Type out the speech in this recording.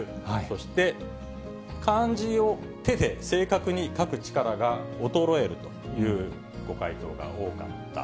そして、漢字を手で正確に書く力が衰えるというご回答が多かった。